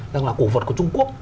rằng là cổ vật của trung quốc